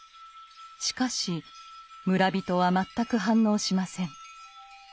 しかし村人は全く反応しません。